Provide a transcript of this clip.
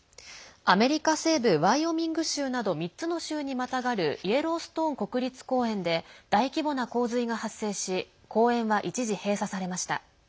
アメリカ西部ワイオミング州など３つの州にまたがるイエローストーン国立公園で大規模な洪水が発生し公園は一時、閉鎖されました。